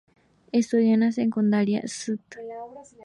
Estudió en la secundaria St.